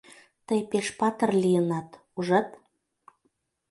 Тый пеш патыр лийынат, ужат?